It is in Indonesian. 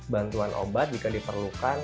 bantuan obat jika diperlukan